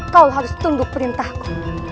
kau harus tunduk perintahku